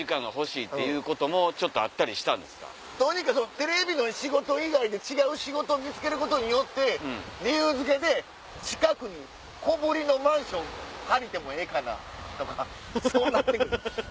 テレビの仕事以外で違う仕事見つけることによって理由付けで近くに小ぶりのマンション借りてもええかな？とかそうなって来る。